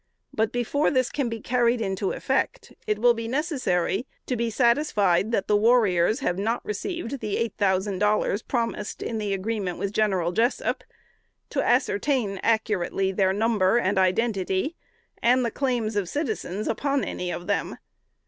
But before this can be carried into effect, it will be necessary to be satisfied that the warriors have not received the $8,000 promised in the agreement with General Jessup; to ascertain accurately their number and identity, and the claims of citizens upon any of them.